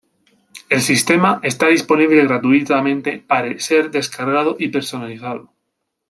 El sistema está disponible gratuitamente pare ser descargado y personalizado.